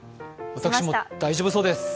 私も大丈夫そうです。